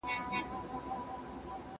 دا ونه له هغه لويه ده!.